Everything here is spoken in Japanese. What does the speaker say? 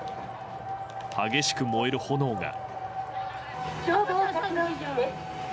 激しく燃える炎が。